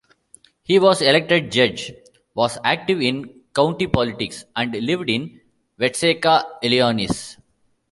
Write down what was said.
He was elected judge, was active in county politics, and lived in Watseka, Illinois.